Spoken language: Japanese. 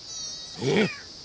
えっ？